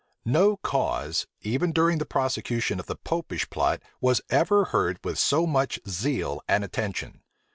No cause, even during the prosecution of the Popish plot, was ever heard with so much zeal and attention.